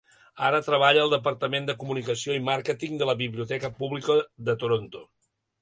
Ara treballa al departament de comunicació i màrqueting de la Biblioteca Pública de Toronto.